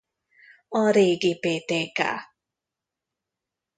A régi Ptk.